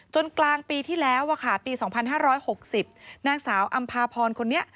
กลางปีที่แล้วปี๒๕๖๐นางสาวอำพาพรคนนี้